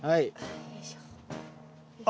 よいしょ。